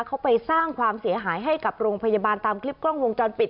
เขาไปสร้างความเสียหายให้กับโรงพยาบาลตามคลิปกล้องวงจรปิด